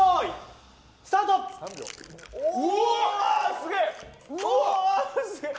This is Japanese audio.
すげえ！